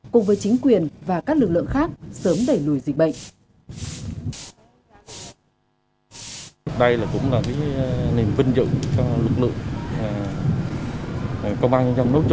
cùng với chính quyền và các lực lượng khác sớm đẩy lùi dịch bệnh